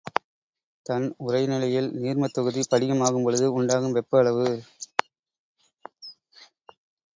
தன் உறைநிலையில் நீர்மத் தொகுதி படிகம் ஆகும்பொழுது உண்டாகும் வெப்ப அளவு.